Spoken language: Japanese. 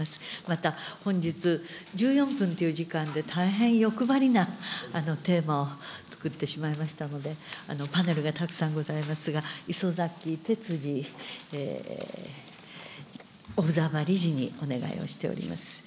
また、本日１４分という時間で大変欲張りなテーマを作ってしまいましたので、パネルがたくさんございますが、いそざきてつじオブザーバー理事にお願いをしております。